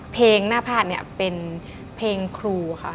เพลงหน้าพาดเนี่ยเป็นเพลงครูค่ะ